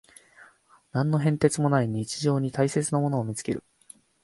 何の変哲もない日常に大切なものを見つける